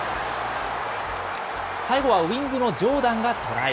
最後はウイングのジョーダンがトライ。